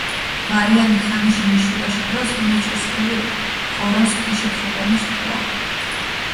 გვარიანი ხანიში მიშულაში დროს, მეჩჷ სრუვილქ, ღორონს ქეშეთხუკონი სქუა.